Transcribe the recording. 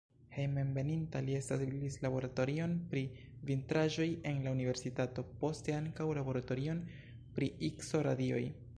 Hejmenveninta li establis laboratorion pri vitraĵoj en la universitato, poste ankaŭ laboratorion pri Ikso-radioj.